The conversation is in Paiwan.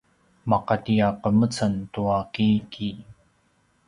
maqati a qemeceng tua kiki